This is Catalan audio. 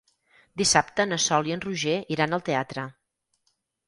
Dissabte na Sol i en Roger iran al teatre.